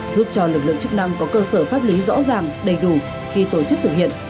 giúp cho lực lượng chức năng có cơ sở pháp lý rõ ràng đầy đủ khi tổ chức thực hiện